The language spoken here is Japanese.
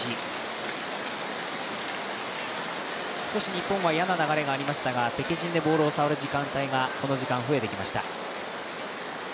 日本は嫌な流れがありましたが、敵陣でボールを触ることがこの時間、増えてきました。